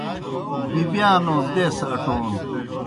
بِبِیانو دیس اٹون